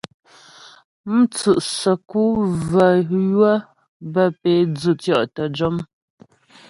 Mtsʉ' səku və́ wə́ bə́ pé dzʉtyɔ' təjɔm.